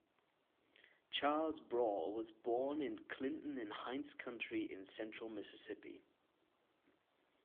Charles Brough was born in Clinton in Hinds County in central Mississippi.